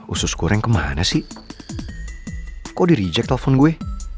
usus goreng kemana sih kok di reject telpon gue